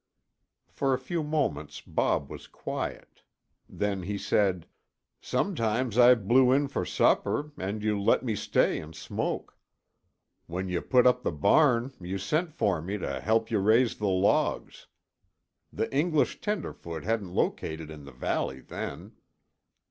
For a few moments Bob was quiet. Then he said, "Sometimes I blew in for supper and you let me stay and smoke. When you put up the barn, you sent for me to help you raise the logs. The English tenderfoot hadn't located in the valley then."